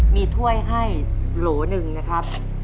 มีถ้วยให้โหลหนึ่งนะครับ